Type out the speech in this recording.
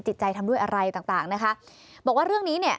จิตใจทำด้วยอะไรต่างต่างนะคะบอกว่าเรื่องนี้เนี่ย